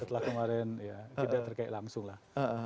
setelah kemarin ya tidak terkait langsung lah